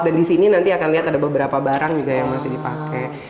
dan di sini nanti akan lihat ada beberapa barang juga yang masih dipakai